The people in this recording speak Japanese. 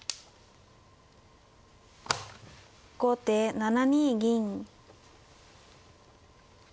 後手７二銀。